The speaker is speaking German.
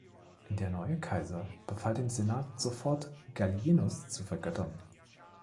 Der neue Kaiser befahl dem Senat sofort, Gallienus zu vergöttern.